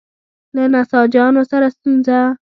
له نساجانو سره ستونزه.